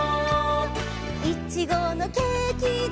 「いちごのケーキだ」